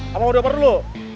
mama mau dioper dulu